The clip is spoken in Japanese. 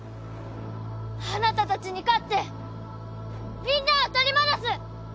あなたたちに勝ってみんなを取り戻す！